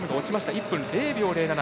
１分０秒０７。